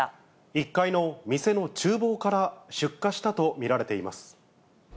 １階の店のちゅう房から出火したと見られています。